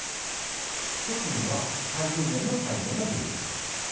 一つには待遇面の改善が重要です。